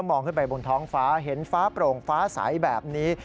ถ้ามองขึ้นขึ้นไปบนท้องฟ้าเห็นฟ้าโปร่งฟ้าสายแบบนี้